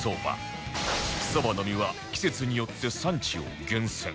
そばの実は季節によって産地を厳選